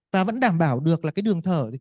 và vẫn đảm bảo được là cái đường thở